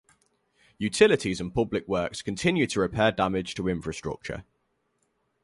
Utilities and public works continue to repair damage to infrastructure.